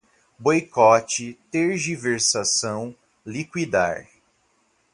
Boicote, tergiversação, liquidar